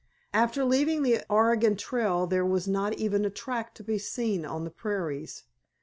After leaving the Oregon Trail there was not even a track to be seen on the prairies.